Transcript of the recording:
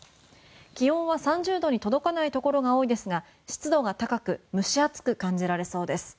気温は３０度に届かないところが多いですが湿度は高く蒸し暑く感じられそうです。